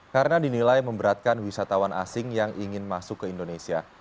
karena dinilai memberatkan wisatawan asing yang ingin masuk ke indonesia